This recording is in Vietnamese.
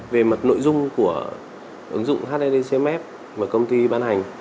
về mặt nội dung của ứng dụng hsdc map và công ty ban hành